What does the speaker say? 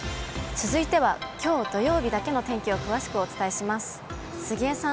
続いてはきょう土曜日だけの天気を詳しくお伝えします。